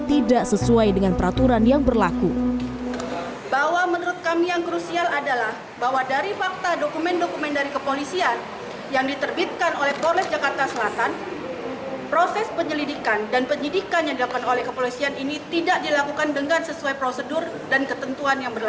tidak dilakukan dengan sesuai prosedur dan ketentuan yang berlaku